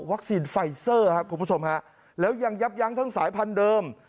ไฟเซอร์ครับคุณผู้ชมฮะแล้วยังยับยั้งทั้งสายพันธุ์เดิม